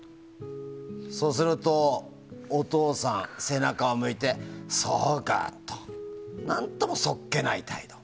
そうするとお父さん背中を向いて「そっか」と何ともそっけない態度。